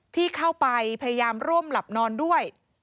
ที่เข้าไปพยายามร่วมหลับนอนด้วย